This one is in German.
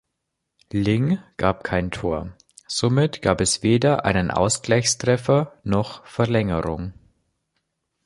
Ling gab kein Tor, somit gab es weder einen Ausgleichstreffer noch Verlängerung.